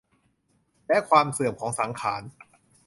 และความเสื่อมของสังขาร